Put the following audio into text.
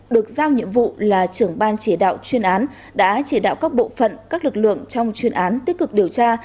được giao nhiệm vụ là trưởng ban chỉ đạo chuyên án đã chỉ đạo các bộ phận các lực lượng trong chuyên án tích cực điều tra